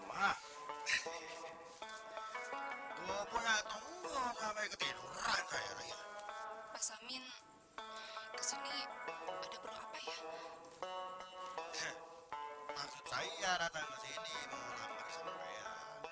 mas amin sanggup gak membayar semuanya